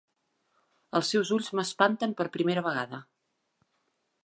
Els seus ulls m'espanten per primera vegada.